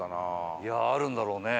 いやああるんだろうね。